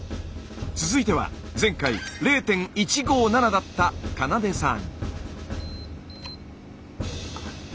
続いては前回０．１５７だった花奏さん。